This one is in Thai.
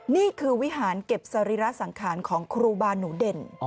นี่คือวิหารเก็บสรีระสังขารของครูบาหนูเด่น